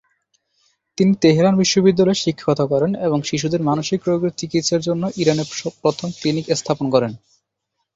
তিনি তেহরান বিশ্ববিদ্যালয়ে শিক্ষকতা করেন এবং শিশুদের মানসিক রোগের চিকিৎসার জন্য ইরানে প্রথম ক্লিনিক স্থাপন করেন।